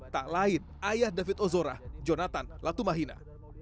tak lain ayah david ozora jonathan latumahina